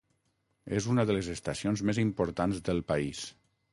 És una de les estacions més importants del país.